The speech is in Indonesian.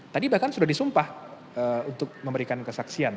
tadi bahkan sudah disumpah untuk memberikan kesaksian